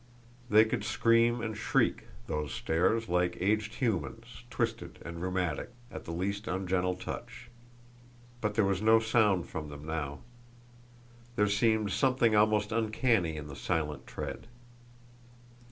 They could scream and shriek, those stairs, like aged humans, twisted and rheumatic, at the least ungentle touch. But there was no sound from them now. There seemed something almost uncanny in the silent tread.